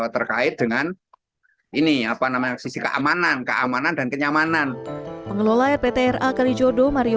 terkait dengan ini apa namanya keamanan keamanan dan kenyamanan pengelola rptra kalijodo mario